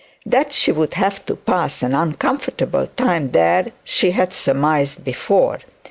That she would have to pass an uncomfortable time there, she had surmised before.